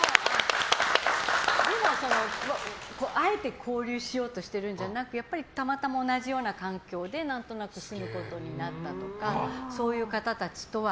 でも、あえて交流しようとしてるんじゃなくてやっぱりたまたま同じような環境で何となく住むことになったとかそういう方たちとは。